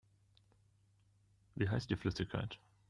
Wie heißt die Flüssigkeit?